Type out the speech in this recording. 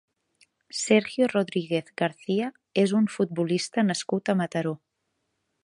Sergio Rodríguez García és un futbolista nascut a Mataró.